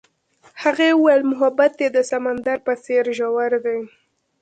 هغې وویل محبت یې د سمندر په څېر ژور دی.